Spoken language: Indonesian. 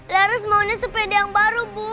larus maunya sepeda yang baru bu